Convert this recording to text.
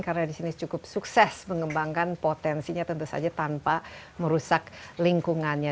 karena di sini cukup sukses mengembangkan potensinya tentu saja tanpa merusak lingkungannya